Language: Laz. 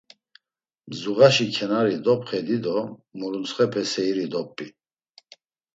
Mzuğaşi kenari dopxedi do, muruntzxepe seyiri dop̌p̌i.